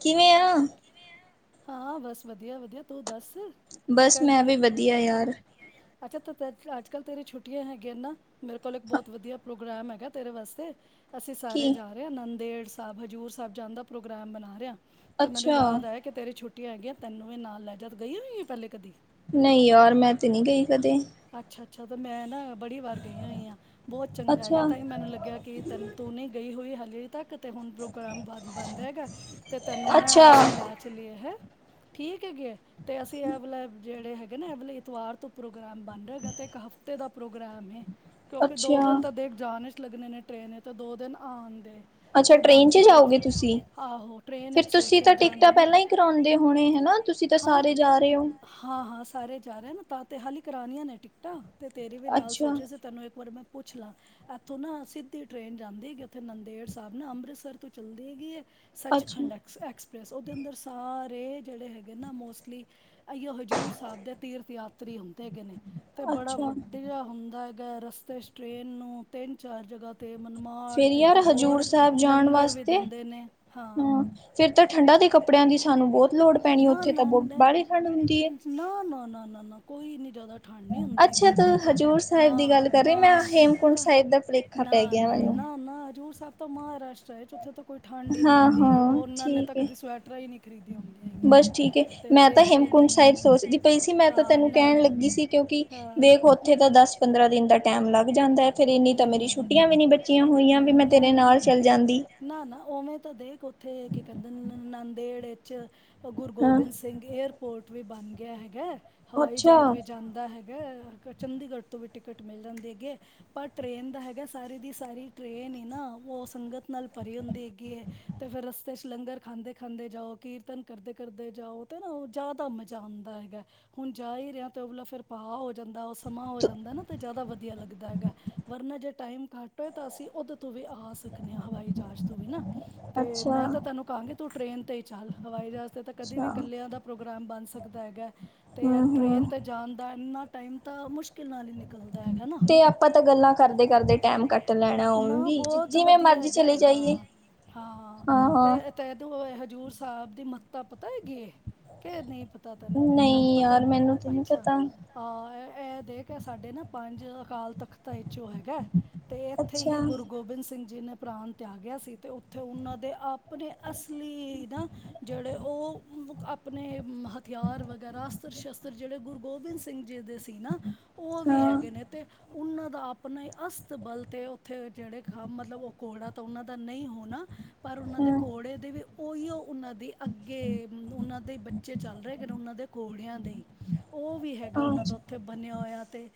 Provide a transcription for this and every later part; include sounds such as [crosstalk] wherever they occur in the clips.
ਕਿਵੇਂ ਆ। ਹਾਂ ਬਸ ਵਧੀਆ ਵਧੀਆ ਤੂ ਦੱਸ? ਕੀ ਬਸ ਕਰ ਰਹੀ ਮੈਂ ਹੈ ਵੀ ਵਧੀਆ ਯਾਰ ਅੱਛਾ ਤੇ ਅੱਜ ਕੱਲ ਤੇਰੀ ਛੁੱਟੀਆਂ ਹੈਗੀਆਂ ਨਾ ਮੇਰੇ ਕੋਲ ਇੱਕ ਬਹੁਤ ਵਧੀਆ ਪ੍ਰੋਗਰਾਮ ਹੈਗਾ ਤੇਰੇ ਵਾਸਤੇ ਅਸੀਂ ਸਾਰੇ ਕੀ? ਜਾ ਰਹੇ ਹਾਂ ਨੰਦੇੜ ਸਾਹਿਬ, ਹਜ਼ੂਰ ਸਾਹਿਬ ਜਾਣ ਦਾ ਪ੍ਰੋਗਰਾਮ ਬਣਾ ਰਹੇ ਹਾਂ ਤੇ ਮੈਨੂੰ ਅੱਛਾ, ਯਾਦ ਆਇਆ ਕਿ ਤੇਰੀ ਛੁੱਟੀਆਂ ਹੈਗੀਆਂ, ਤੈਨੂੰ ਇਹ ਨਾਲ ਲੈ ਜਾਂ, ਤੂ ਗਈ ਹੋਈ ਹੈ ਪਹਿਲੇ ਕਦੀ ਨਹੀਂ ਯਾਰ ਮੈਂ ਤੇ ਨਹੀਂ ਗਈ ਕਦੇ ਅੱਛਾ ਅੱਛਾ ਤੇ ਮੈਂ ਨਾ ਬੜੀ ਵਾਰ ਗਈ ਹੋਈ ਆਂ, ਬਹੁਤ ਚੰਗਾ ਹੈਗਾ ਅੱਛਾ, ਤਾਂ ਹੀ ਮੈਨੂੰ ਲੱਗਿਆ ਕਿ ਤੈਨੂੰ ਤੂੰ ਨਹੀਂ ਗਈ ਹੋਈ ਹਾਲੇ ਤੱਕ, ਤੇ ਹੁਣ ਪ੍ਰੋਗਰਾਮ ਬਣ ਰਿਹਾ ਹੈਗਾ ਤੇ ਤੈਨੂੰ ਨਾ ਅੱਛਾ, ਅਸੀਂ ਲੈ ਕੇ ਏ ਹੈ, ਠੀਕ ਹੈਗੇ ਤੇ ਅਸੀਂ ਇਹ ਵਾਲੇ ਜਿਹੜੇ ਹੈਗੇ ਨਾ ਐ ਵਾਲੇ ਐਤਵਾਰ ਤੋਂ ਪ੍ਰੋਗਰਾਮ ਬਣ ਰਿਹਾ ਹੈਗਾ, ਤੇ ਇੱਕ ਹਫ਼ਤੇ ਦਾ ਪ੍ਰੋਗਰਾਮ ਐ, ਕਿਉਂਕਿ ਦੋ ਅੱਛਾ, ਦਿਨ ਤਾਂ ਦੇਖ ਜਾਣ 'ਚ ਲੱਗਣੇ ਨੇ ਟ੍ਰੇਨ, ਤੇ ਦੋ ਦਿਨ ਆਉਣ ਦੇ ਅੱਛਾ ਤੇ ਟਰੇਨ 'ਚ ਬਾਕੀ ਵਿੱਚ ਜਾਓਗੇ ਤੁਸੀਂ ਆਹੋ ਟ੍ਰੇਨ ਫਿਰ ਵਿੱਚ ਤੁਸੀਂ ਸੋਚਿਆ ਤਾਂ ਜਾਣ ਦੇ ਟਿਕਟਾਂ ਨਾ। ਪਹਿਲਾਂ ਹੀ ਕਰਾਉਂਦੇ ਕਰਾਉਣਾ ਹੋਣੇ, ਹੈ ਨਾ ਤੁਸੀਂ ਤਾਂ ਹਾਂ ਸਾਰੇ ਜਾ ਰਹੇ ਹੋ ਹਾਂ ਹਾਂ ਸਾਰੇ ਜਾ ਰਹੇ ਨਾ, ਤਾਂ ਤੇ ਹਾਲੇ ਕਰਾਉਣੀਆਂ ਨੇ ਟਿਕਟਾਂ, ਤੇ ਤੇਰੇ ਵੀ ਨਾਲ ਸੋਚ ਅੱਛਾ, ਰਹੇ ਸੀ ਤੈਨੂੰ ਇੱਕ ਵਾਰ ਮੈਂ ਪੁੱਛ ਲਾਂ ਇੱਥੋਂ ਨਾ ਸਿੱਧੀ ਟ੍ਰੇਨ ਜਾਂਦੀ ਹੈਗੀ ਉੱਥੇ ਨੰਦੇੜ ਸਾਹਿਬ ਨਾ, ਅੰਮ੍ਰਿਤਸਰ ਇਥੋਂ ਚੱਲਦੀ ਹੈਗੀ ਹੈ ਅੱਛਾ, ਸੱਚਖੰਡ ਐਕਸਪ੍ਰੈਸ ਐਕਸਪ੍ਰੈਸ, ਉਹਦੇ ਅੰਦਰ ਸਾਰੇ ਜਿਹੜੇ ਹੈਗੇ ਨਾ ਮੋਸਟਲੀ ਆਈਓ ਹਜ਼ੂਰ ਸਾਹਿਬ ਦੇ ਤੀਰਥ ਯਾਤਰੀ ਹੁੰਦੇ ਹੈਗੇ ਨੇ ਤੇ ਬੜਾ ਅੱਛਾ। ਵਧੀਆ ਹੁੰਦਾ ਹੈਗਾ, ਰਸਤੇ ਚ ਟ੍ਰੇਨ ਨੂੰ ਤਿੰਨ ਚਾਰ ਜਗ੍ਹਾਹ ਤੇ ਮਨਮਾੜ ਫਿਰ ਤੇ ਯਾਰ ਤੇ ਹਜ਼ੂਰ ਹੋਰ ਸਾਹਿਬ ਜਾਣ ਲੰਗਰ ਵੀ ਵਾਸਤੇ ਦਿੰਦੇ ਨੇ ਹਾਂ ਫਿਰ ਤਾਂ ਠੰਡਾਂ ਦੇ ਕੱਪੜਿਆਂ ਦੀ ਸਾਨੂੰ ਬਹੁਤ ਲੋੜ ਪੈਣੀ, ਨਾ ਉੱਥੇ ਤਾਂ ਨਾ ਬਹੁਤ ਨਾ ਬਾਹਲੀ ਠੰਡ ਹੁੰਦੀ ਹੈ ਨਾ ਨਾ ਨਾ ਨਾ ਨਾ ਕੋਈ ਨੀ ਜ਼ਿਆਦਾ ਠੰਡ ਨਹੀਂ ਅੱਛਾ ਹੁੰਦੀ ਅੱਛਾ ਹੈਗੀ ਤੂੰ ਉੱਥੇ ਤਾਂ ਹਜ਼ੂਰ ਸਾਹਿਬ ਦੀ ਹਾਂ ਗੱਲ ਕਰ ਰਹੀ, ਮੈਂ ਹਾਂ ਹੇਮਕੁੰਟ ਤਾਂ ਸਾਹਿਬ ਦਾ ਭੁਲੇਖਾ ਨਾ ਪੈ ਗਿਆ ਨਾ ਮੈਨੂੰ। ਨਾ ਨਾ ਹਜ਼ੂਰ ਸਾਹਿਬ ਤਾਂ ਮਹਾਰਾਸ਼ਟਰ ਹੈ, ਉੱਥੇ ਤਾਂ ਕੋਈ ਠੰਡ ਹੀ ਨੀ ਹਾਂ ਹੁੰਦੀ, ਹਾਂ ਉਹਨਾ ਨੇ ਠੀਕ ਏ। ਕਦੀ ਸਵੈਟਰ ਹੀ ਨਹੀਂ ਖਰੀਦੀਆਂ ਹੁੰਦੀਆਂ ਹੈਗੀਆਂ ਬਸ ਠੀਕ ਹੈ, ਤੇ ਮੈਂ ਤਾਂ ਦੇਖੇ ਹੇਮਕੁੰਟ ਨਹੀਂ ਮੈਂ ਸਾਹਿਬ ਸੋਚਦੀ ਪਈ ਸੀ, ਮੈਂ ਤਾਂ ਹਾਂ ਤੈਨੂੰ ਨਾ ਕਹਿਣ ਨਾ ਲੱਗੀ ਸੀ ਕਿਉਂਕਿ ਹਾਂ ਵੇਖ ਉੱਥੇ ਤਾਂ ਦਸ ਪੰਦਰਾਂ ਦਿਨ ਦਾ ਟਾਈਮ ਲੱਗ ਜਾਂਦਾ ਐ, ਫਿਰ ਇੰਨੀ ਤਾਂ ਮੇਰੀ ਛੁੱਟੀਆਂ ਵੀ ਨਹੀਂ ਜੇ ਹੋਈਆਂ ਵੀ ਮੈਂ ਤੇਰੇ ਨਾਲ ਚੱਲ ਜਾਂਦੀ ਨਾ ਨਾ ਉਵੇਂ ਤਾਂ ਦੇਖ ਉੱਥੇ ਕੀ ਕਹਿੰਦੇ ਨੰਦੇੜ ਵਿੱਚ ਗੁਰੂ ਹਾਂ ਗੋਬਿੰਦ ਸਿੰਘ ਸਿੰਘ ਏਅਰਪੋਰਟ ਵੀ ਬਣ ਗਿਆ ਹੈਗਾ, ਹਵਾਈ ਅੱਛਾ ਜਹਾਜ਼ ਵੀ ਜਾਂਦਾ ਹੈਗਾ ਹੈਗਾ, ਚੰਡੀਗੜ੍ਹ ਤੋਂ ਵੀ ਟਿਕਟ ਮਿਲ ਜਾਂਦੀ ਹੈਗੀ ਐ ਪਰ ਟ੍ਰਰੇਨ ਦਾ ਹੈਗਾ ਸਾਰੀ ਦੀ ਸਾਰੀ ਟ੍ਰਰੇਨ ਈ ਨਾ, ਉਹ ਸੰਗਤ ਨਾਲ ਭਰੀ ਹੁੰਦੀ ਹੈਗੀ ਹੈ ਤੇ ਫਿਰ ਰਸਤੇ ਚੱ ਲੰਗਰ ਖਾਂਦੇ ਖਾਂਦੇ ਜਾਓ, ਕੀਰਤਨ ਕਰਦੇ ਕਰਦੇ ਜਾਓ, ਤਾਂ ਨਾ ਉਹ ਜ਼ਿਆਦਾ ਮਜ਼ਾ ਆਉਂਦਾ ਹੈਗਾ ਹੁਣ ਜਾ ਹੀ ਰਿਹਾ ਤੇ ਉਹ ਫਿਰ ਭਾਹ ਹੋ ਜਾਂਦਾ ਉਹ ਸਮਾਂ ਹੋ ਤ- ਜਾਂਦਾ ਨਾ, ਤੇ ਜ਼ਿਆਦਾ ਵਧੀਆ ਲੱਗਦਾ ਹੈਗਾ ਵਰਨਾ ਜੇ ਟਾਈਮ ਘੱਟ ਹੋਏ ਤਾਂ ਅਸੀਂ ਉਦੋਂ ਤੋਂ ਵੀ ਆ ਸਕਦੇ ਆਂ, ਹਵਾਈ ਜਹਾਜ਼ ਤੋਂ ਵੀ ਨਾ ਤੇ ਅੱਛਾ ਮੈਂ ਤਾਂ ਤੈਨੂੰ ਕਹਾਂਗੀ ਤੂੰ ਟ੍ਰਰੇਨ ਤੇ ਚੱਲ ਹਵਾਈ ਜਹਾਜ਼ ਤੇ ਤਾਂ ਕਦੇ ਵੀ ਅੱਛਾ ਇਕੱਲਿਆਂ ਦਾ ਪ੍ਰੋਗਰਾਮ ਬਣ ਸਕਦਾ ਹੈਗਾ, ਤੇ ਐ ਹੂੰ ਹੂੰ ਟ੍ਰੇਨ ਤੇ ਜਾਣ ਦਾ ਇੰਨਾ ਟਾਈਮ ਤਾਂ ਮੁਸ਼ਕਿਲ ਨਾਲ ਹੀ ਨਿਕਲ ਤੇ ਆਪਾਂ ਤਾਂ ਗੱਲਾਂ ਕਰਦੇ ਕਰਦੇ ਟਾਈਮ ਕੱਟ ਲੈਣਾ ਉਂਜ ਨਾ ਵੀ ਬਹੁਤ ਜੀ ਵਧੀਆ ਮਰਜ਼ੀ ਹੈਗਾ ਚਲੇ ਜਾਈਏ ਹਾਂ ਹਾਂ ਤੇ ਉਦੇ ਹਜ਼ੂਰ ਸਾਹਿਬ ਦੀ ਮਹਤੱਤਾ ਪਤਾ ਹੈਗੀ ਐ ਕਿ ਨਹੀਂ ਪਤਾ ਤੈਨੂੰ ਤੈਨੂੰ ਨਹੀਂ ਪਤਾ ਯਾਰ ਮੈਨੂੰ ਤੇ ਨਹੀਂ ਅੱਛਾ ਪਤਾ ਐ ਦੇਖ ਇਹ ਸਾਡੇ ਨਾ ਪੰਜ ਅਕਾਲ ਤਖ਼ਤਾਂ ਵਿਚੋਂ ਹੈਗਾ ਅਤੇ ਇੱਥੇ ਅੱਛਾ ਹੀ ਗੁਰੂ ਗੋਬਿੰਦ ਸਿੰਘ ਜੀ ਨੇ ਪ੍ਰਾਣ ਤਿਆਗਿਆ ਸੀ ਤੇ ਉੱਥੇ ਉਹਨਾਂ ਦੇ ਆਪ ਆਪਣੇ ਅਸਲੀ ਦਾ ਜਿਹੜੇ ਉਹ ਆਪਣੇ ਹਥਿਆਰ ਵਗੈਰਾ ਅਸਤਰ ਸ਼ਸਤਰ ਜਿਹੜੇ ਗੁਰੂ ਗੋਬਿੰਦ ਸਿੰਘ ਜੀ ਦੇ ਤੇ ਨਾ ਉਹ ਵੀ ਹਾਂ ਹੈਗੇ ਨੇ ਤੇ ਉਹਨਾਂ ਦਾ ਆਪਣਾ ਹੀ ਅਸਤਬਲ ਤੇ ਉੱਥੇ ਜਿਹੜੇ ਮਤਲਬ ਉਹ ਘੋੜਾ ਤਾਂ ਉਹਨਾਂ ਦਾ ਨਹੀਂ ਹੋਣਾ ਪਰ ਉਹਨਾਂ ਦੇ ਹਾਂ ਘੋੜੇ ਦੇ ਵੀ ਉਹੀਓ ਉਹਨਾਂ ਦੀ ਅੱਗੇ ਉਹਨਾਂ ਦੇ ਬੱਚੇ ਜੇ ਚੱਲ ਰਹੇ ਉਹਨਾਂ ਦੇ ਘੋੜਿਆਂ ਦੇ ਹੀ। ਉਹ ਵੀ ਹੈਗਾ। ਉਹਨਾਂ ਆਜ ਦਾ ਉੱਥੇ ਬੰਨਿਆ ਹੋਇਆ ਅਤੇ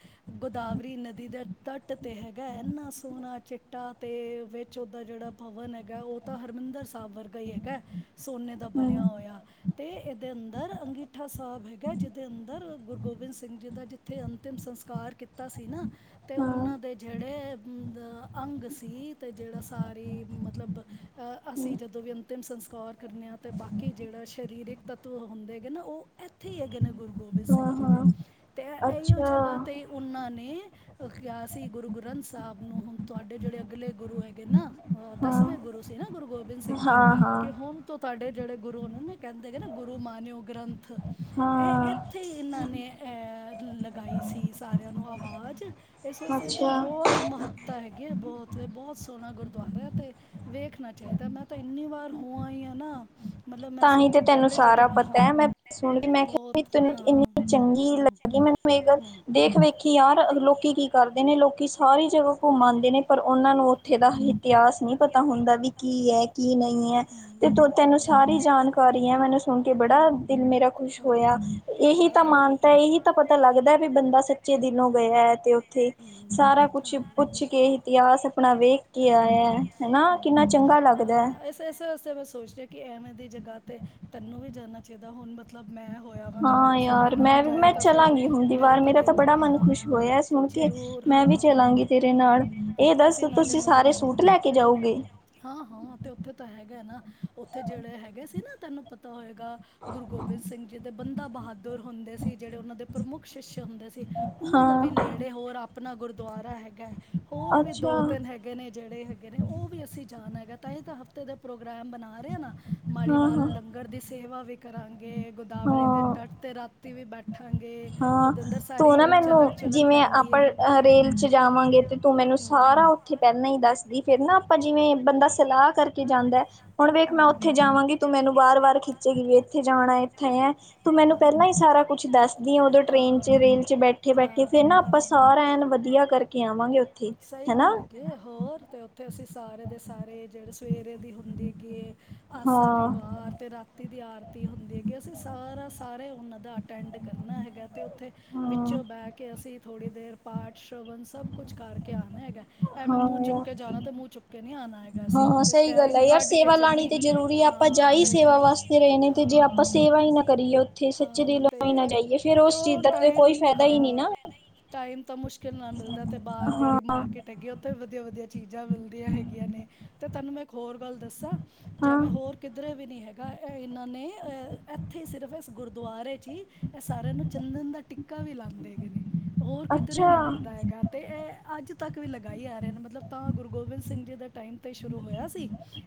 ਗੋਦਾਵਰੀ ਨਦੀ ਦੇ ਤੱਟ ਤੇ ਹੈਗਾ। ਇੰਨਾ ਸੋਣਾ ਚਿੱਟਾ ਤੇ ਉਹਦਾ ਜਿਹੜਾ ਭਵਨ ਹੈਗਾ। ਉਹ ਤਾਂ ਹਰਿਮੰਦਰ ਸਾਹਿਬ ਵਰਗਾ ਹੀ ਹੈਗਾ। ਸੋਨੇ ਦਾ ਬਣਿਆ ਹਮ ਹੋਇਆ। ਤੇ ਇਹਦੇ ਅੰਦਰ ਅੰਗੀਠਾ ਸਾਹਿਬ ਹੈਗਾ। ਜਿਹਦੇ ਅੰਦਰ ਗੁਰੂ ਗੋਬਿੰਦ ਸਿੰਘ ਜੀ ਦਾ ਜ ਉੱਥੇ ਅੰਤਿਮ ਸੰਸਕਾਰ ਕੀਤਾ ਸੀ, ਨਾ ਤੇ ਹਾਂ ਉਹਨਾਂ ਦੇ ਜਿਹੜੇ ਅੰਗ ਸੀ ਅਤੇ ਜਿਹੜਾ ਸਾਰੀ ਮਤਲਬ ਅਸੀਂ ਹਮ ਜਦੋਂ ਵੀ ਅੰਤਿਮ ਸੰਸਕਾਰ ਕਰਨੇ ਹਾਂ ਅਤੇ ਬਾਕੀ ਜਿਹੜਾ ਸਰੀਰਕ ਤੱਤਵ ਹੁੰਦੇ ਹੈਗੇ ਨਾ। ਉਹ ਇੱਥੇ ਹੀ ਹੈਗੇ ਨੇ ਗੁਰੂ ਗੋਬਿੰਦ ਸਿੰਘ ਹਾਂ ਜੀ ਦੇ ਹਾਂ ਤੇ ਇਹੀਓ ਅੱਛਾ ਜਗ੍ਹਾ ਤੇ ਉਹਨਾਂ ਨੇ ਕਿਹਾ ਸੀ। ਗੁਰੂ ਗ੍ਰੰਥ ਸਾਹਿਬ ਨੂੰ ਹੁਣ ਤੁਹਾਡੇ ਜਿਹੜੇ ਅਗਲੇ ਗੁਰੂ ਹੈਗੇ ਨਾ ਅ ਹਾਂ ਦਸਵੇਂ ਗੁਰੂ ਸੀ ਨਾ ਗੁਰੂ ਗੋਬਿੰਦ ਸਿੰਘ ਜੀ। ਹਾਂ ਕਿ ਹਾਂ ਹੁਣ ਹੁਣ ਣ ਤੋਂ ਤੁਹਾਡੇ ਜਿਹੜੇ ਗੁਰੂ ਨੇ ਨਾ ਕਹਿੰਦੇ ਗ ਨਾ ਗੁਰੂ ਮਾਨਿਓ ਗ੍ਰੰਥ ਹਾਂ ਅਅ ਉੱਥੇ ਇਹਨਾਂ ਨੇ ਐਹ ਲਗਾਈ ਸੀ। ਸਾਰਿਆਂ ਨੂੰ ਅਵਾਜ਼ ਇਸ ਵਾਸਤੇ ਇਦੀ ਅੱਛਾ ਬੋਤ ਮਹੱਤਤਾ ਤਾਂ ਹੈਗੀ ਆ ਬੋਤ ਇਹ ਬੋਤ ਸੋਹਣਾ ਗੁਰਦੁਆਰਾ ਹੈ ਤੇ ਵੇਖਣਾ ਚਾਹੀਦਾ ਮੈਂ ਤਾਂ ਇੰਨੀ ਵਾਰ ਹੋ ਆਈ ਹਾਂ ਆ ਨਾ। ਮਤਲਬ ਮੈਂ ਸਭ ਤਾਂਹੀ ਤੇ ਤੋਂ ਤੈਨੂੰ ਪਹਿਲੇ ਜਦੋਂ ਸਾਰਾ ਪਤਾ ਹਾਂ ਹੈ। ਮੈਂ ਸੁਣ ਮੈਂ ਕਿਹਾ ਬਹੁਤ ਤੈਨੂੰ ਹਾਂ ਇੰਨੀ ਚੰਗੀ ਹੂੰ ਲੱਗੀ ਮੈਨੂੰ ਦੇ ਹੂੰ ਦੇਖ ਵੇਖੀ ਯਾਰ ਲੋਕੀ ਕੀ ਕਰਦੇ ਨੇ ਲੋਕੀ ਸਾਰੀ ਜਗ੍ਹਾ ਘੁੰਮ ਆਂਦੇ ਨੇ ਪਰ ਉਹਨਾਂ ਨੂੰ ਉੱਥੇ ਦਾ ਇਤਿਹਾਸ ਨਹੀਂ ਪਤਾ ਹੁੰਦਾ। ਵੀ ਕੀ ਹੈ? ਕੀ ਨਹੀਂ ਹੈ? ਤੇ ਤੈਨੂੰ ਸਾਰੀ ਜਾਣਕਾਰੀ ਹੈ। ਮੈਨੂੰ ਸੁਣ ਕੇ ਬੜਾ ਦਿਲ ਮੇਰਾ ਖੁਸ਼ ਹੋਇਆ। ਇਹੀ ਤਾਂ ਮਾਨ ਤਾਂ ਇਹੀ ਤਾਂ ਪਤਾ ਲੱਗਦਾ ਵੀ, ਬੰਦਾ ਸੱਚੇ ਦਿਲੋਂ ਗਿਆ ਹੈ ਤੇ ਉੱਥੇ ਸਾਰਾ ਕੁਛ ਪੁੱਛ ਕੇ ਇਤਿਹਾਸ ਆਪਣਾ ਵੇਖ ਕੇ ਆਇਆ ਹੈਨਾ। ਕਿੰਨਾ ਚੰਗਾ ਲੱਗਦਾ ਹੈ। ਇਸੇ ਵਾਸਤੇ ਮੈਂ ਸੋਚ ਰਹੀ ਕਿ ਐਵੇਂ ਦੀ ਜਗ੍ਹਾ ਤੇ, ਤੈਨੂੰ ਵੀ ਜਾਣਾ ਚਾਹੀਦਾ ਹੁਣ ਮਤਲਬ ਮੈਂ ਹੋਏਆਵਾ ਤੇ ਹਾਂ ਮੇਰੀ ਸਹੇਲੀ ਯਾਰ ਨਾ ਮੈਂ ਵੀ ਜਾਏ ਮੈਂ ਤਾਂ ਫੇਰ ਚਲਾਂਗੀ ਹੁਣ ਦੀ ਮੇਰਾ ਵਾਰ ਤਾਂ ਦਿਲ ਬੜਾ ਹੈ ਮਨ ਖੁਸ਼ ਹਾਂਅ ਹੋਇਆ ਤੇ ਸੁਣ ਕੇ ਜ਼ਰੂਰ ਮੈਂ ਵੀ ਹਾਂ। ਚਲਾਂਗੀ ਤੇਰੇ ਨਾਲ ਇਹ ਦੱਸ ਅਸੀਂ ਨਾਲੇ ਤੁਸੀਂ ਮਜ਼ੇ ਸਾਰੇ ਕਰਾ ਸੂਟ ਲੈ ਕੇ ਜਾਓਗੇ ਹਾਂ ਹਾਂ ਤੇ ਉੱਥੇ ਤਾਂ ਹੈਗਾ ਨਾ। ਉੱਥੇ ਜਿਹੜੇ ਹੈਗੇ ਸੀ ਨਾ ਤੈਨੂੰ ਪਤਾ ਹੋਏਗਾ ਗੁਰੂ ਗੋਬਿੰਦ ਸਿੰਘ ਜੀ ਦੇ ਬੰਦਾ ਬਹਾਦੁਰ ਹੁੰਦੇ ਸੀ। ਜਿਹੜੇ ਉਹਨਾਂ ਦੇ ਪ੍ਰਮੁੱਖ ਸਿਅਸ਼ ਹੁੰਦੇ ਸੀ। ਉਹਨਾਂ ਦਾ ਵੀ ਹਾਂਅ ਨੇੜੇ ਹੋਰ ਆਪਣਾ ਗੁਰਦੁਆਰਾ ਹੈਗਾ। ਹੋਰ ਵੀ ਅੱਛਾ ਦੋ ਤਿੰਨ ਹੈਗੇ ਨੇ ਜਿਹੜੇ ਹੈਗੇ ਨੇ ਉਹ ਵੀ ਅਸੀਂ ਜਾਣ ਹੈਗਾ, ਤਾਂ ਤਾਂ ਹੀ ਹਫ਼ਤੇ ਦਾ ਪ੍ਰੋਗਰਾਮ ਬਣਾ ਰਿਹਾ ਨਾ ਮਾੜੀ ਹਾਂ ਨਾਲ ਹਾਂ ਲੰਗਰ ਦੀ ਸੇਵਾ ਵੀ ਕਰਾਂਗੇ। ਗੋਦਾਵਰੀ ਦੇ ਹਾਂ ਤਟ ਤੇ ਰਾਤੀ ਵੀ ਬੈਠਾ ਹਾਂ ਤੂੰ ਨਾ ਚਲਕ ਮੈਨੂੰ। ਚੁਲਕ ਜਿਵੇਂ ਪੈਂਦੀ ਆਪਾਂ ਹੈ ਰੇਲ ਚ ਹਮ ਜਾਵਾਂਗੇ ਤੇ ਤੂੰ ਮੈਨੂੰ ਸਾਰਾ ਉੱਥੇ ਪੈਲਾਂ ਹੀ ਦੱਸਦੀ। ਫੇਰ ਨਾ ਆਪਾਂ ਜਿਵੇਂ ਬੰਦਾ ਸਲਾਹ ਕਰਕੇ ਜਾਂਦਾ। ਹੁਣ ਵੇਖ ਮੈਂ ਉੱਥੇ ਜਾਵਾਂਗੀ ਤੂੰ ਮੈਨੂੰ ਵਾਰ ਵਾਰ ਵੀ ਇੱਥੇ ਜਾਣਾ। ਇੱਥੇ ਹੈ। ਤੂੰ ਮੈਨੂੰ ਪਹਿਲਾਂ ਹੀ ਸਾਰਾ ਕੁੱਛ ਦੱਸ ਉਦੋਂ ਟ੍ਰੇਨ ਚ ਰੇਲ ਚ ਬੈਠੇ ਬੈਠੇ। ਫੇਰ ਨਾ ਆਪਾਂ ਸਾਰਾ ਐਨ ਵਧੀਆ ਕਰਕੇ ਆਵਾਂਗੇ ਉੱਥੇ ਸਈ ਹੈਨਾ ਗੱਲ ਹੈਗੀ ਹੋਰ ਤੇ ਉੱਥੇ ਅਸੀਂ ਸਾਰੇ ਦੇ ਸਾਰੇ ਜੇੜੇ ਸਵੇਰੇ ਦੀ ਹੁੰਦੀ ਹੈਗੀ। ਆਸਾ ਦੀ ਹਾਂ ਵਾਰ ਤੇ ਰਾਤੀ ਦੀ ਆਰਤੀ ਹੁੰਦੀ ਹੈਗੀ ਅਸੀਂ ਸਾਰਾ ਸਾਰੇ ਉਹਨਾਂ ਦਾ ਅਟੈਂਡ ਕਰਨਾ ਹੈਗਾ ਅਤੇ ਉੱਥੇ ਹਾਂ ਵਿੱਚੋਂ ਬਹਿ ਕੇ ਅਸੀਂ ਥੋੜੀ ਦੇਰ ਪਾਠ ਸ਼੍ਰਵਣ ਸਭ ਕੁਛ ਕਰਕੇ ਆਣਾ ਹੈਗਾ ਐਵੇਂ ਹਾਂ ਮੂੰਹ ਚੁੱਕ ਯਾਰ ਕੇ ਜਾਣਾ ਤੇ ਮੂੰਹ ਚੁੱਕ ਕੇ ਨਈ ਆਣਾ ਹੈਗਾ ਅਸੀ ਤੇ ਟੇਰ ਲਈ ਯਾਰ ਸੇਵਾ ਲਾਉਣੀ ਤੇ ਜ਼ਰੂਰੀ ਹੈ ਆਪਾਂ ਜਾ ਹੀ ਤੇ ਸੇਵਾ ਵਾਸਤੇ ਰਏ ਨੇ ਤੇ ਜੇ ਹਾਂ ਆਪਾਂ ਕਿਉਂ ਸੇਵਾ ਹੀ ਨਾ ਕਰੀਏ ਉੱਥੇ ਸੱਚੇ ਹਾਂ ਦਿਲੋਂ ਹੀ ਤੇ ਨਾ ਜਾਈਏ ਫੇਰ ਉਸ ਚੀਜ਼ ਕਿਉਂ ਦਾ ਟਾਈਮ ਕੋਈ ਫਾਇਦਾ ਹੀ ਨਈ ਹਾਂ ਨਾ ਟਾਈਮ ਤਾਂ ਮੁਸ਼ਕਿਲ ਨਾਲ ਮਿਲਦਾ ਤੇ ਬਾਰ ਜੇੜੀ ਹਾਂ ਮਾਰਕੀਟ ਹੈਗੀ ਆ ਉੱਥੇ ਵਧੀਆ-ਵਧੀਆ ਚੀਜ਼ਾਂ ਮਿਲਦੀਆਂ ਹੈਗੀਆਂ ਨੇ ਤੇ ਤੁਹਾਨੂੰ ਮੈਂ ਇੱਕ ਹੋਰ ਗੱਲ ਦੱਸਾਂ ਜ ਹਾਂ ਮੈਂ ਹੋਰ ਕਿਧਰੇ ਵੀ ਨਈ ਹੈਗਾ ਇਹ ਇਹਨਾਂ ਨੇ ਉੱਥੇ ਹੀ ਸਿਰਫ ਇਸ ਗੁਰਦੁਆਰੇ 'ਚ ਹੀ ਇਹ ਸਾਰਿਆਂ ਨੂੰ ਚੰਦਨ ਦਾ ਟਿੱਕਾ ਵੀ ਲਾਂਦੇ ਹੈਗੇ ਨੇ ਹੋਰ ਕਿੱਧਰੇ ਅੱਛਾ ਨੀ ਲੱਗਦਾ ਹੈਗਾ। ਤੇ ਇਹ ਅੱਜ ਤੱਕ ਵੀ ਲਗਾਈ ਯਾ ਰਏ ਨੇ ਮਤਲਬ ਤਾਂ ਗੁਰੂ ਗੋਬਿੰਦ ਸਿੰਘ ਜੀ ਦੇ ਟਾਈਮ ਤੇ ਸ਼ੁਰੂ ਹੋਇਆ ਸੀ।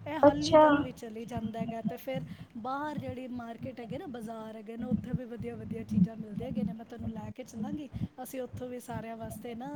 ਇਹ ਹਲੀ ਅੱਛਾ ਤੱਕ ਵੀ ਚਲੀ ਜਾਂਦਾ ਏਗਾ ਤੇ ਫਿਰ ਬਾਹਰ ਜੇੜੀ ਮਾਰ ਮਾਰਕਿਟ ਹੈਗੀ ਏ ਨਾ ਬਾਜ਼ਾਰ ਹੈਗਾ ਏ ਨਾ ਉੱਥੇ ਵੀ ਵਦੀਆ-ਵਦੀਆ ਚੀਜ਼ਾਂ ਮਿਲਦੀਆਂ ਹੈਗੀਆਂ ਨੇ ਮੈਂ ਤੁਆਨੂੰ ਲੈ ਕੇ ਚਲਾਂਗੀ। ਅਸੀਂ ਉੱਥੋਂ ਵੀ ਸਾਰਿਆਂ ਵਾਸ ਤੇ ਨਾ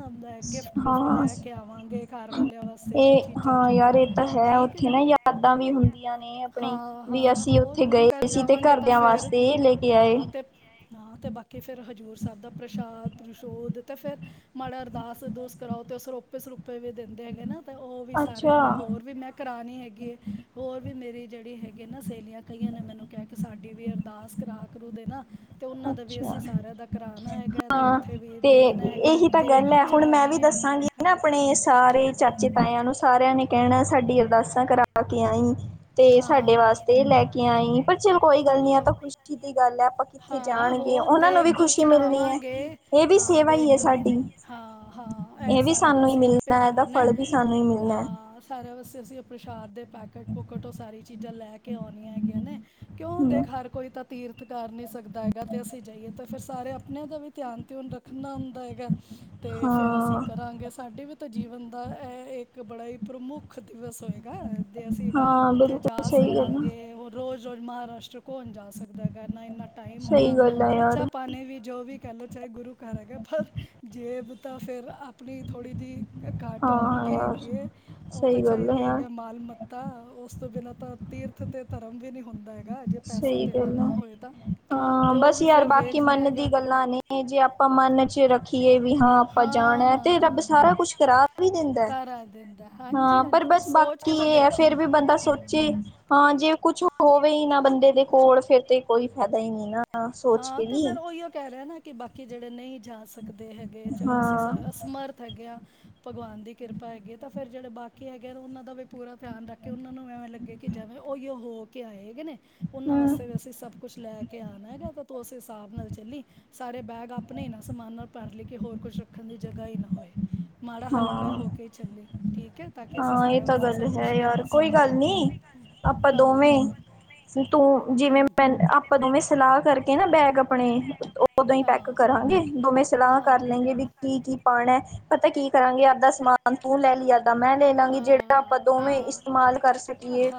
ਗਿਫਟ-ਗੁਫਟ ਹਾਂ ਲੈ ਕੇ ਆਵਾਂਗੇ ਘਰ ਵਾਲਿਆਂ ਵਾਸਤੇ ਤੇ ਇਹ ਹਾਂ ਯਾਰ ਚੀਜਾਂ-ਚੂਜਾਂ ਇਹ ਤਾਂ ਹੈ ਉੱਥੇ ਨਾ ਯਾਦਾਂ ਵੀ ਹੁੰਦੀਆਂ ਨੇ ਆਪਣੇ ਹਾਂ ਹਾਂ ਵੀ ਅਸੀਂ ਹੋਰ ਉੱਥੇ ਗੁਰੂ ਗਏ ਘਰ ਸੀ ਤੇ ਜਾਵਾਂਗੇ ਘਰ ਤਾਂ ਦਿਆਂ ਫਿਰ ਵਾਸਤੇ ਲੇ ਕੇ ਆਏ। [unintelligible] ਤੇ ਬਾਕੀ ਫਿਰ ਹਜ਼ੂਰ ਸੈਬ ਦਾ ਪ੍ਰਸ਼ਾਦ-ਪ੍ਰਸ਼ੌਦ ਤੇ ਫਿਰ ਮਾੜਾ ਅਰਦਾਸ-ਅਰਦੂਸ ਕਰਾਓ ਤੇ ਸਰੋਪੇ-ਸਰੁਪੇ ਵੀ ਦਿੰਦੇ ਐਗੇ ਨਾ। ਤੇ ਓ ਵੀ ਸਾਰਿਆਂ ਅੱਛਾ ਦੇ ਹੋਰ ਵੀ ਮੈਂ ਕਰਾਨੀ ਹੈਗੀ ਐ ਹੋਰ ਵੀ ਮੇਰੀ ਜੇੜੀ ਹੈਗੀ ਏ ਨਾ ਸੇਲੀਆਂ ਕਈਆਂ ਨੇ ਮੈਨੂੰ ਕਿਆ ਕੇ ਸਾਡੀ ਵੀ ਅਰਦਾਸ ਕਰਾ ਕਰੂ ਦੇ ਨਾ। ਤੇ ਉਹਨਾਂ ਦਾ ਵੀ ਅਸੀਂ ਅੱਛਾ ਸਾਰਿਆਂ ਦਾ ਕਰਾਨਾ ਹੈਗਾ ਐ ਅਤੇ ਹਾਂ ਉੱਥੇ ਵੀ ਤੇ ਦੇਣਾ ਹੈਗਾ ਦੇਗ ਵੀ ਚੜਾਣੀ ਐ। ਇਹ ਆਪਣੇ ਸਾਰੇ ਚਾਚੇ-ਤਾਇਆਂ ਨੂੰ ਸਾਰਿਆਂ ਨੇ ਕੈਂਣਾ ਸਾਡੀ ਅਰਦਾਸਾਂ ਕਰਾ ਕੇ ਆਈ। ਤੇ ਸਾਡੇ ਹਾਂ ਵਾਸਤੇ ਲੈ ਕੇ ਆਈ ਪਰ ਚਲ ਕੋਈ ਗੱਲ ਨੀ ਆ ਹਾਂ ਤਾਂ ਖੁਸ਼ੀ ਦੀ ਗੱਲ ਹੈ ਆਪਾਂ ਉੱਥੇ ਹਾਂ ਜਾਣਗੇ ਹੋਰ ਉਹਨਾਂ ਨੂੰ ਦੇਗ ਵੀ ਦੁੱਖ ਖੁਸ਼ੀ ਮਿਲਣੀ ਐ ਚੜਾਵਾਂਗੇ ਇਹ ਵੀ ਹਾਂ ਸੇਵਾ ਈ ਦੇਗ ਏ ਦੁੱਖ ਸਾਡੀ। ਹਾਂ ਹਾਂ ਇਹ ਵੀ ਸਾਰਾ ਸਾਨੂੰ ਈ ਅਸੀਂ ਮਿਲਣਾ ਇਹਦਾ ਫਲ ਵੀ ਸਾਨੂੰ ਈ ਮਿਲਣਾ ਐ। ਆਹ ਸਾਰਿਆਂ ਵਾਸਤੇ ਅਸੀਂ ਅ ਪ੍ਰਸ਼ਾਦ ਦੇ ਪੈਕਟ-ਪੁਕਟ ਓ ਸਾਰੀ ਚੀਜ਼ਾਂ ਲੈ ਕੇ ਆਉਣੀਆਂ ਹੈਗੀਆਂ ਨੇ। ਕਿਉਂ ਹਮ, ਦੇਖ ਹਰ ਕੋਈ ਤਾਂ ਤੀਰਥ ਕਰ ਨੀ ਸਕਦਾ ਹੈਗਾ ਤੇ ਅਸੀਂ ਜਾਈਏ ਤਾਂ ਫਿਰ ਸਾਰੇ ਆਪਣਿਆਂ ਦਾ ਵੀ ਧਿਆਨ-ਧੀਓਨ ਰੱਖ ਰੱਖਣਾ ਹੁੰਦਾ ਐਗਾ ਤੇ ਫੇਰ ਅਸੀਂ ਹਾਂ ਕਰਾਂਗੇ ਸਾਡੇ ਵੀ ਜੀਵਨ ਦਾ ਏਹ ਇੱਕ ਬੜਾ ਈ ਪ੍ਰਮੁੱਖ ਦਿਵਸ ਹੋਏਗਾ ਦੇ ਅਸੀਂ ਹਾਂ ਉੱਥੇ ਜਾ ਬਿਲਕੁਲ ਸਹੀ ਗੱਲ ਸਕਾਂਗੇ ਹੈ ਉਹ ਰੋਜ਼-ਰੋਜ਼ ਮਹਾਰਾਸ਼ਟਰ ਕੌਣ ਜਾ ਸਕਦਾ ਹੈਗਾ ਆ ਨਾ ਇੰਨਾ ਟਾਈਮ ਸਹੀ ਹੋਣਾ ਗੱਲ ਹੈ ਖਰਚਾ ਯਾਰ ਪਾਣੀ ਵੀ ਜੋ ਵੀ ਕਹਿ ਲਓ ਚਾਹੇ ਗੁਰੂ ਘਰ ਹੈਗਾ ਪਰ ਜੇਬ ਤਾਂ ਫੇਰ ਆਪਣੀ ਥੋੜ੍ਹੀ ਜੀ ਘਾਟ ਹਾਂ ਹੁੰਦੀ ਯਾਰ ਹੈਗੀ ਏ ਓ ਤਾਂ ਸਹੀ ਗੱਲ ਹੈ ਚਾਈਦਾ ਈ ਯਾਰ ਹੈਗਾ ਮਾਲ ਮਤ ਤਾ ਉਸ ਤੋਂ ਬਿਨਾਂ ਤਾਂ ਤੀਰਥ ਤੇ ਧਰਮ ਵੀ ਨੀ ਹੁੰਦਾ। ਹੈਗਾ ਜੇ ਪੈਸਾ ਸਈ ਧੇਲਾ ਗੱਲ ਆ ਨਾ ਹੋਏ ਤਾਂ ਹਾਂ ਤੇ ਉਹ ਬਸ ਵੀ ਯਾਰ ਫੇਰ ਬਾਕੀ ਵੇਖਣਾ ਮਨ ਦੀ ਹੈਗਾ। ਗੱਲਾਂ ਨੇ। ਜੇ ਆਪਾਂ ਮਨ 'ਚ ਰੱਖੀਏ ਵੀ ਹਾਂ ਹੋ ਆਪਾਂ ਜਾਣਾ ਏ ਤੇ ਹਾਂ। ਰੱਬ ਸਾਰਾ ਕੁਛ ਕਰਾ ਵੀ ਦਿੰਦਾ ਏ ਕਰਾ ਦਿੰਦਾ ਹਾਂ ਪਰ ਹਾਂਜੀ-ਹਾਂਜੀ ਤੂੰ ਬਸ ਸੋਚ ਕੇ ਬਾਕੀ ਤਾਂ ਇਹ ਐ ਦੇਖੋ ਹੂੰ। ਫਿਰ ਵੀ ਬੰਦਾ ਸੋਚੇ ਹਾਂ ਜੇ ਕੁਛ ਹੋਵੇ ਈ ਨਾ ਬੰਦੇ ਦੇ ਕੋਲ ਫਿਰ ਤੇ ਕੋਈ ਫੈਦਾ ਈ ਨਈਂ ਨਾ ਸੋਚ ਕੇ ਵੀ ਉਹੀ ਓ ਕਹਿ ਰਿਆ ਨਾ ਕਿ ਬਾਕੀ ਜੇੜੇ ਨਈ ਜਾ ਸਕਦੇ ਹੈਗੇ ਚਲੋ ਅਸੀਂ ਹਾਂ ਸਾ ਅਸਮਰਥ ਹੈਗੇ ਆਂ। ਭਗਵਾਨ ਦੀ ਕਿਰਪਾ ਐਗੀ ਐ ਤਾਂ ਫਿਰ ਜਿਹੜੇ ਬਾਕੀ ਹੈਗੇ ਆ ਉਹਨਾਂ ਦਾ ਵੀ ਪੂਰਾ ਧਿਆਨ ਰੱਖ ਕੇ ਉਹਨਾਂ ਨੂੰ ਐਵੇਂ ਲੱਗੇ ਕਿ ਜਿਵੇਂ ਉਹੀਓ ਹੋ ਕੇ ਆਏ ਐਗੇ ਨੇ, ਉਹਨਾਂ ਹਮ ਵਾਸਤੇ ਵੀ ਅਸੀਂ ਸਭ ਕੁਸ਼ ਲੈ ਕੇ ਆਣਾ ਐਗਾ ਤਾਂ ਤੂੰ ਉਸ ਹਿਸਾਬ ਨਾਲ ਚੱਲੀ। ਸਾਰੇ ਬੈਗ ਆਪਣੇ ਈ ਨਾ ਸਮਾਨ ਨਾਲ ਭਰ ਲੇ ਕੇ ਹੋਰ ਕੁਸ਼ ਰੱਖਣ ਦੀ ਜਗ੍ਹਾ ਈ ਨਾ ਹੋਏ। ਮਾੜਾ ਹਲਕਾ ਹਾਂ ਹੋ ਕੇ ਹੀ ਚੱਲੀ ਠੀਕ ਏ, ਤਾਂ ਕਿ ਅਸੀਂ ਹਾਂ ਇਹ ਸਾਰਾ ਤਾਂ ਵਾਸਤੇ ਸ ਗੱਲ ਹੈ ਕੁਸ਼ ਯਾਰ ਲਿਆ ਕੋਈ ਗੱਲ ਸਕੀਏ। ਨਹੀਂ ਆਪਾਂ ਦੋਵੇਂ ਹਾਂ। ਤੂੰ, ਜਿਵੇਂ ਹਮ ਮੈਂ ਆਪਾਂ ਦੋਵੇਂ ਸਲਾਹ ਕਰਕੇ ਨਾ ਬੈਗ ਆਪਣੇ ਉਦੋਂ ਈ ਪੇੱਕ ਕਰਾਂਗੇ, ਦੋਵੇਂ ਸਲਾਹ ਕਰ ਲੈਂਗੇ ਵੀ ਕੀ ਕੀ ਪਾਣੇ ਪਤੈ ਕੀ ਕਰਾਂਗੇ ਅੱਦਾ ਸਮਾਨ ਤੂੰ ਲੈ ਲਈ, ਅੱਦਾਂ ਮੈਂ ਲੈ ਲਾਂਗੀ ਜਿਹੜਾ ਆਪਾਂ ਦੋਵੇਂ ਇਸਤੇਮਾਲ ਕਰ ਸਕੀਏ।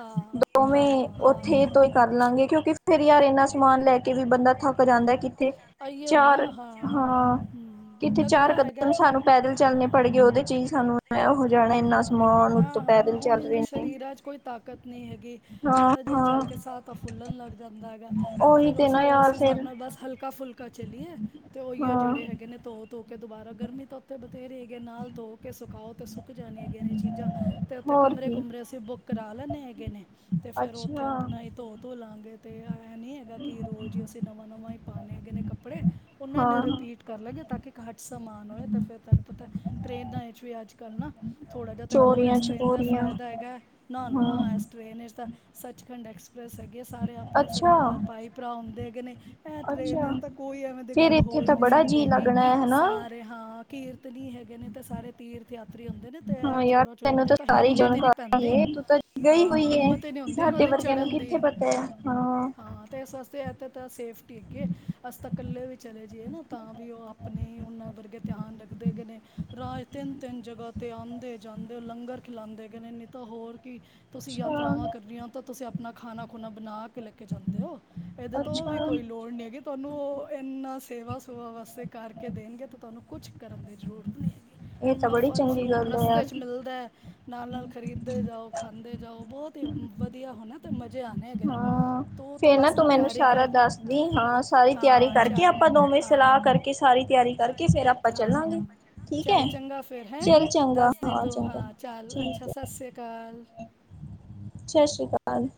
ਦੋਵੇਂ ਉੱਥੇ ਤੋਂ ਈ ਕਰ ਲਾਂਗੇ ਕਿਉਂਕਿ ਫਿਰ ਯਾਰ ਇੰਨਾ ਸਮਾਨ ਲੈ ਕੇ ਵੀ ਬੰਦਾ ਥੱਕ ਜਾਂਦੇ। ਕਿੱਥੇ ਏ ਆਈਓ ਨਾ ਚਾਰ, ਹਾਂ। ਹੂੰ ਕਿੱਥੇ ਚਾਰ ਲੱਗਦਾ ਹੈਗਾ ਕਦਮ ਸਾਨੂੰ ਪੈਦਲ ਹਾਂ ਚੱਲਣੇ ਪੜੀਏ ਉਹਦੇ ਚ' ਈ ਸਾਨੂੰ ਐਂ ਹੋ ਜਾਣਾ ਇੰਨਾ ਹਾਂ ਸਮਾਨ ਉੋਂਤੋ ਹਾਂ ਹਾਂ ਪੈਦਲ ਹੁਣ ਚੱਲ ਰਏ ਇਹਨਾਂ ਨੇ। ਸਰੀਰਾਂ 'ਚ ਕੋਈ ਤਾਕਤ ਨਹੀਂ ਹੈਗੀ, ਹਾਂ ਮਾੜਾ ਜਿਹਾ ਚੱਲ ਕੇ ਹਾਂ ਸਾਹ ਤਾਂ ਫੁੱਲਣ ਲੱਗ ਜਾਂਦਾ ਐਗਾ। ਤੇ ਉਹੀ ਫੇਰ ਅਸੀ ਨਾ ਉਸ ਯਾਰ ਹਿਸਾਬ ਫਿਰ ਨਾਲ ਬਸ ਹਲਕਾ-ਫੁਲਕਾ ਚਲੀਏ। ਤੇ ਉਹੀਓ ਹਾਂ ਜਿਹੜੇ ਹੈਗੇ ਨੇ ਧੋ-ਧੋ ਕੇ ਦੁਬਾਰਾ ਗਰਮੀ ਤਾਂ ਉੱਥੇ ਬਥੇਰੀ ਐਗੇ ਨਾਲ ਧੋ ਕੇ ਸੁ ਪਾਉ ਤੇ ਸੁੱਕ ਜਾਣੇ ਹੈਗੇ ਨੇ। ਚੀਜ਼ਾਂ ਤੇ ਉੱਥੇ ਹੋਰ ਕੀ ਕਮਰੇ-ਕੁਮਰੇ ਅਸੀਂ ਬੁੱਕ ਕਰਾ ਲੈਂਨੇ ਹੈਗੇ ਨੇ, ਤੇ ਫੇਰ ਉਹ ਉੱਥੇ ਅੱਛਾ ਆਪਣਾ ਹੀ ਧੋ ਧੋ ਲਾਂਗੇ ਅਤੇ ਐ ਨਹੀਂ ਹੈਗਾ ਕਿ ਰੋਜ਼ ਹੀ ਅਸੀਂ ਨਵਾਂ- ਨਵਾਂ ਹੀ ਪਾਉਣੇ ਹੈਗੇ ਨੇ ਕੱਪੜੇ। ਉਹਨਾਂ ਨੇ ਹਾਂ ਰਿਪੀਟ ਕਰ ਲੱਗੇ ਤਾਂ ਕਿ ਘੱਟ ਸਮਾਨ ਹੋਏ। ਤਾਂ ਫਿਰ ਤੁਹਾਨੂੰ ਪਤਾ, ਟ੍ਰੇਨਾ ਚ 'ਵੀ ਅੱਜ ਕੱਲ੍ਹ ਨਾ ਥੋੜਾ ਜਿਹਾ ਤਾਂ ਹੋਰ ਚੋਰੀਆਂ ਐਸ ਟ੍ਰੇਨ ਦਾ ਚਕੋਰੀਆਂ ਫਾਇਦਾ ਹੈਗਾ। ਨਾ ਹਾਂ -ਨਾ ਐਸ ਟ੍ਰੇਨ ਚ' ਤਾਂ, ਸੱਚਖੰਡ ਐਕਸਪ੍ਰੈਸ ਹੈਗੇ ਸਾਰੇ ਆਪਣੇ ਅੱਛਾ ਸਰਦਾਰ ਭਾਈ- ਭਰਾ ਹੁੰਦੇ ਹੈਗੇ ਨੇ। ਇਹ ਅੱਛਾ ਟਰੇਨ ਤਾਂ ਕੋਈ ਐਵੇਂ ਦੀ ਫੇਰ ਗੱਲ ਇੱਥੇ ਹੋ ਹੀ ਤਾਂ ਨਹੀਂ ਬੜਾ ਸਕਦੇ ਜੀਅ ਹੈਗੀ। ਲੱਗਣਾ ਹੈ ਹਨਾ ਸਾ ਹਾਂ। ਕੀਰਤਨੀ ਗੇ ਨੇ ਤੇ ਸਾਰੇ ਤੀਰਥ ਯਾਤਰੀ ਹੂੰਦੇ ਨੇ ਤੇ ਹਾਂ ਯਾਰ ਚੋਰਾਂ- ਚੋਰਾਂ ਤੈਨੂੰ ਦੀ ਤਾਂ ਸਾਰੀ ਹਿੰਮਤ ਹੀ ਨੀ ਜਾਣਕਾਰੀ ਪੈਂਦੇ। ਏ ਤੂੰ ਤਾਂ ਗਈ ਹਾਂ, ਹੋਈ ਏ ਹਿੰਮਤ ਹੀ ਨਹੀਂ ਹੁੰਦੀ ਉਹਨਾਂ ਸਾਡੇ ਦੀ ਵਰਗਿਆਂ ਨੂੰ ਚੜ੍ਹਨ ਕਿੱਥੇ ਦੀ। ਪਤਾ ਹੈ ਹਾਂ- ਹਾਂ ਇਸ ਵਾਸਤੇ ਇਥ ਤਾਂ ਸੇਫਟੀ ਹੈਗੀਏ। ਅਸੀਂ ਤਾਂ ਕੱਲੇ ਵੀ ਚਲੇ ਜਾਈਏ ਨਾ ਤਾਂ ਵੀ ਉਹ ਆਪਣੇ ਉਹਨਾਂ ਵਰਗੇ ਧਿਆਨ ਰੱਖਦੇ ਹੈਗੇ ਨੇ। ਰਾਹ ਇਚ ਤਿੰਨ -ਤਿੰਨ ਜਗ੍ਹਾ ਤੇ ਆਉਂਦੇ- ਜਾਂਦੇ ਲੰਗਰ ਖਿਲਾਂਉਂਦੇ ਹੈਗੇ ਨੇ ਨਹੀਂ ਤਾਂ ਹੋਰ ਕੀ। ਤੁਸੀਂ ਯਾਤਰਾਵਾਂ ਅੱਛਾ ਕਰਨੀਆਂ ਤਾਂ ਤੁਸੀਂ ਆਪਣਾ ਖਾਣਾ- ਖੁਣਾ ਬਣਾ ਕ ਕੇ ਜਾਂਦੇ ਹੋ। ਇਹਦੇ ਤੋਂ ਵੀ ਅੱਛਾ ਕੋਈ ਲੋੜ ਨਹੀਂ ਹੈਗੀ। ਤੁਹਾਨੂੰ ਉਹ ਇਨਾਂ ਸੇਵਾ- ਸੇਵਾ ਵਾਸਤੇ ਕਰਕੇ ਦੇਣਗੇ ਤਾਂ ਤੁਹਾਨੂੰ ਕੁਛ ਕਰਨ ਦੀ ਜ਼ਰੂਰਤ ਨਹੀਂ ਹੈਗੀ। ਇਹ ਤਾਂ ਇੰਨਾ ਬੜੀ ਫਲ ਚੰਗੀ -ਫਰੂਟ ਗੱਲ ਹੈ ਰਸਤੇ ਯਾਰ 'ਚ ਮਿਲਦਾ ਹੈ। ਨਾਲ- ਨਾਲ ਖਰੀਦੇ ਜਾਓ, ਖਾਂਦੇ ਜਾਓ, ਬਹੁਤ ਹੀ ਵਧੀਆ। ਅਤੇ ਮਜ਼ੇ ਆਉਣੇ ਹੈਗੇ ਨੇ ਹਾਂ। ਤੂੰ ਤਾਂ ਫੇਰ ਨਾ ਬਸ ਹੁਣ ਤੂੰ ਮੈਨੂੰ ਤਿਆਰੀ ਸਾਰਾ ਕਰ ਦੱਸਦੀ। ਠੀਕ ਹਾਂ, ਸਾਰੀ ਤਿਆਰੀ ਹਾਂ ਕਰਕੇ ਚੱਲ ਆਪਾਂ ਦੋਵੇਂ ਹਾਂ ਸਲਾਹ ਕਰਕੇ, ਸਾਰੀ ਤਿਆਰੀ ਫੇਰ ਆਪਾਂ ਚੱਲਾਂਗੇ ਹਾਂ। ਠੀਕ ਚੱਲ ਹੈ ਚੰਗਾ ਫੇਰ ਹੈ। ਚੱਲ ਚੰਗਾ ਦੱਸ ਦੇ ਤੂ, ਚੰਗਾ ਹਾਂ ਚੱਲ ਅੱਛਾ ਠੀਕ ਹੈ ਸਤਿ ਸ੍ਰੀ ਕਾਲ। ਸਤਿ ਸ੍ਰੀ ਅਕਾਲ।